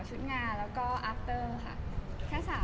สั่งก็เยอะแล้วเนอะ